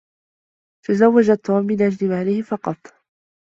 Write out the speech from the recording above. تزوّجتِ توم من أجل ماله فقط.